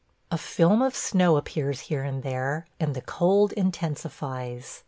... A film of snow appears here and there, and the cold intensifies.